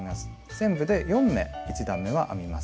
全部で４目１段めは編みます。